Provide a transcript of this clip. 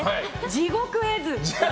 地獄絵図。